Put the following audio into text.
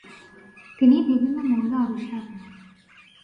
তিনি বিভিন্ন মৌল আবিষ্কার করেন।